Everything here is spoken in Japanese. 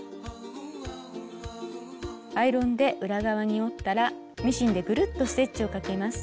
アイロンで裏側に折ったらミシンでぐるっとステッチをかけます。